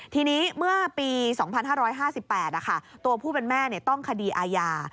ทีนี้เมื่อปี๒๕๕๘ตัวผู้เป็นแม่ต้องคดีอาญา